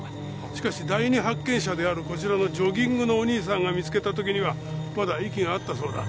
しかし第二発見者であるこちらのジョギングのお兄さんが見つけた時にはまだ息があったそうだ。